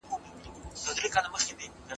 موږ به د خپل هېواد دفاع وکړو.